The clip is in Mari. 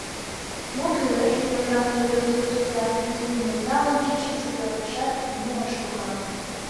Мо кӱлеш? — торжан йодо суртоза, вуйым нӧлталын, кидым шуялтышат, нимо ыш логал.